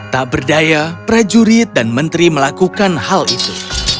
tak berdaya prajurit dan menteri melakukan hal itu